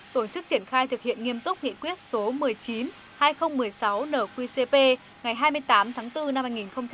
tổ chức triển khai thực hiện nghiêm túc nghị quyết số một mươi chín hai nghìn một mươi sáu nqcp ngày hai mươi tám tháng bốn năm hai nghìn một mươi chín